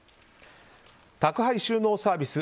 宅配収納サービス